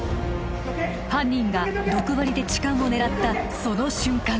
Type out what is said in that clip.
犯人が毒針で痴漢を狙ったその瞬間